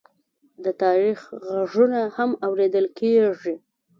د تاریخ غږونه هم اورېدل کېږي.